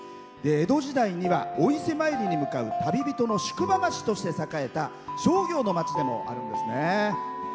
江戸時代にはお伊勢参りに向かう旅人の宿場町として栄えた商業の町でもあるんですね。